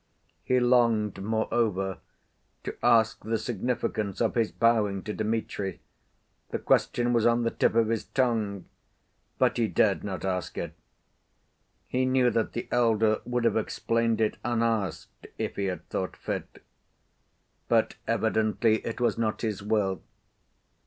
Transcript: He longed, moreover, to ask the significance of his bowing to Dmitri, the question was on the tip of his tongue, but he dared not ask it. He knew that the elder would have explained it unasked if he had thought fit. But evidently it was not his will.